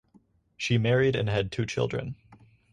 She married and had two children.